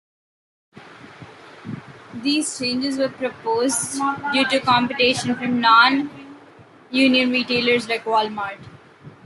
These changes were proposed due to competition from non-union retailers like Wal Mart.